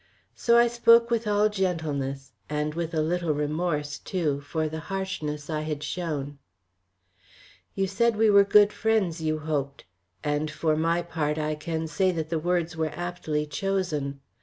So I spoke with all gentleness and with a little remorse, too, for the harshness I had shown: "You said we were good friends, you hoped; and, for my part, I can say that the words were aptly chosen.